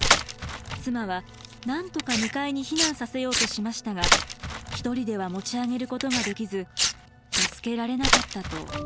妻はなんとか２階に避難させようとしましたが１人では持ち上げることができず助けられなかったと伝えられました。